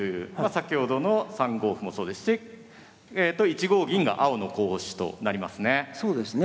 先ほどの３五歩もそうですし１五銀が青の候補手となりますね。